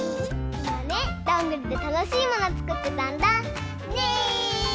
いまねどんぐりでたのしいものつくってたんだ。ね！